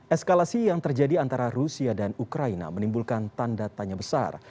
eskalasi yang terjadi antara rusia dan ukraina menimbulkan tanda tanya besar